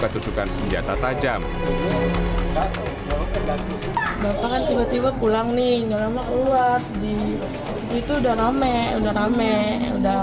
tersuka senjata tajam tiba tiba pulang nih enggak lama keluar di situ udah rame rame udah